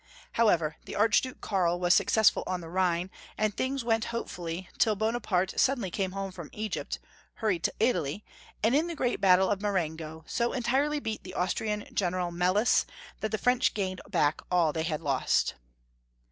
However, the Archduke Karl was successful on the Rhine, and things went hopefully till Bonaparte suddenly came home from Egypt, hurried to Italy, and in the great battle of Marengo so entirely beat the Austrian General Melas that the French gained back all they had lost.